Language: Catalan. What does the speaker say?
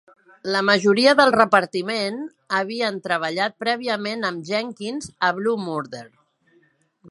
La majoria del repartiment havien treballat prèviament amb Jenkins a "Blue Murder".